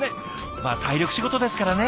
まあ体力仕事ですからね。